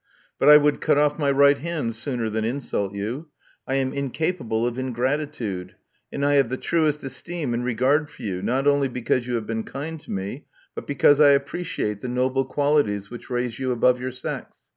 But I would cut off my right hand sooner than insult you. I am incapable of ingratitude ; and I have the truest esteem and regard for you, not only because you have been kind to me but because I appreciate the noble qualities which raise you above your sex.